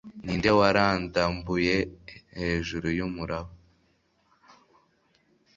Ninde warandambuye hejuru yumuraba